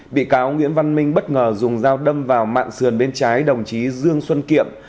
bị cáo nguyễn văn minh bất ngờ dùng dao đâm vào mạng sườn bên trái đồng chí dương xuân kiệm